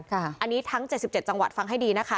ค่ะอันนี้ทั้งเจ็ดสิบเจ็ดจังหวัดฟังให้ดีนะคะ